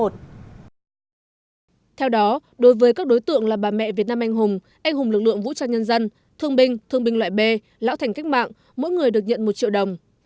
theo đó đối với các đối tượng là bà mẹ việt nam anh hùng anh hùng lực lượng vũ trang nhân dân thương binh thương binh loại b lão thành cách mạng mỗi người được nhận một triệu đồng